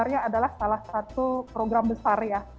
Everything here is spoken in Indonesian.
ini adalah salah satu program besar ya